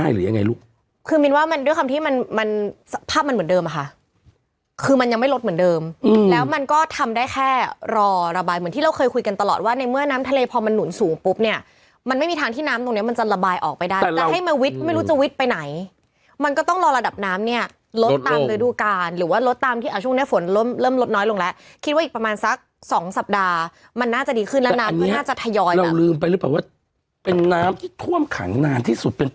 เหมือนเดิมอ่ะค่ะคือมันยังไม่ลดเหมือนเดิมอืมแล้วมันก็ทำได้แค่รอระบายเหมือนที่เราเคยคุยกันตลอดว่าในเมื่อน้ำทะเลพอมันหนุนสูงปุ๊บเนี้ยมันไม่มีทางที่น้ำตรงเนี้ยมันจะระบายออกไปได้แต่ให้มาวิทย์ไม่รู้จะวิทย์ไปไหนมันก็ต้องรอระดับน้ำเนี้ยลดตามในดูการหรือว่าลดตามที่